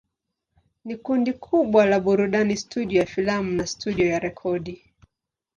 Ni kundi kubwa la burudani, studio ya filamu na studio ya rekodi.